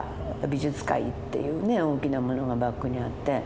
美術界っていうね大きなものがバックにあって。